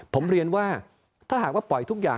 ผมเรียนว่าถ้าหากว่าปล่อยทุกอย่าง